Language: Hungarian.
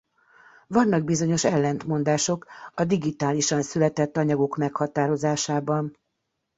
Vannak bizonyos ellentmondások a digitálisan született anyagok meghatározásában.